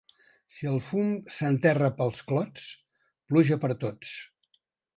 Si el fum s'enterra pels clots, pluja per tots.